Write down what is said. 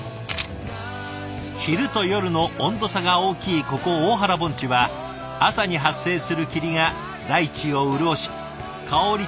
昼と夜の温度差が大きいここ大原盆地は朝に発生する霧が大地を潤し香り